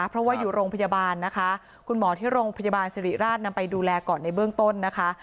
เพราะว่าอยู่โรงพยาบาลนะคะคุณหมอที่โรงพยาบาลสิริราชนำไปดูแลก่อนในเบื้องต้นนะคะ